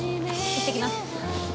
行ってきます。